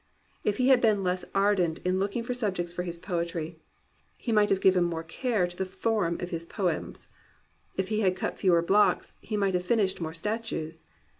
'* If he had been less ardent in look ing for subjects for his poetry, he might have given more care to the form of his poems. If he had cut fewer blocks, he might have finished more statues.